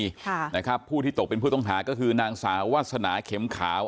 ค่ะนะครับผู้ที่ตกเป็นผู้ต้องหาก็คือนางสาววาสนาเข็มขาว